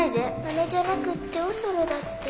マネじゃなくっておそろだって。